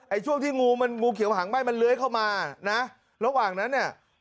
ช่วงที่งูมันงูเขียวหางไหม้มันเลื้อยเข้ามานะระหว่างนั้นเนี่ย